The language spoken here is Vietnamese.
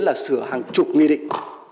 là sửa hàng chục nguy định